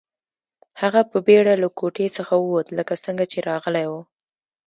هغه په بیړه له کوټې څخه ووت لکه څنګه چې راغلی و